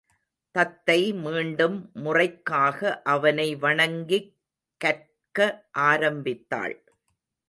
தத்தை மீண்டும் முறைக்காக அவனை வணங்கிக் கற்க ஆரம்பித்தாள்.